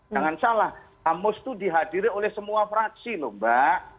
jangan salah bamus itu dihadiri oleh semua fraksi loh mbak